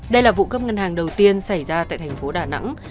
đây là vụ cướp ngân hàng đầu tiên xảy ra tại thành phố đà nẵng